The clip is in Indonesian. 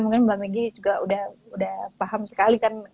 mungkin mbak meggy juga udah paham sekali kan